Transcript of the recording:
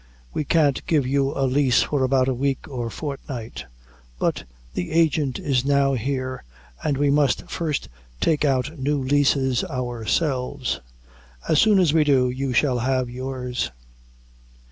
"We can't give you a lease for about a week or fortnight; but the agent is now here, an' we must first take out new leases ourselves. As soon as we do you shall have yours."